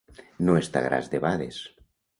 No estar gras debades.